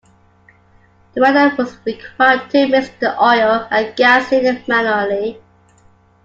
The rider was required to mix the oil and gasoline manually.